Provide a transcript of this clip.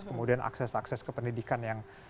kemudian akses akses ke pendidikan yang